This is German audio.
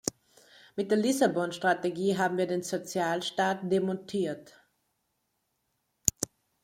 Mit der Lissabon-Strategie haben wir den Sozialstaat demontiert.